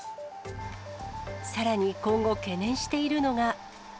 さらに今後、懸念しているのが。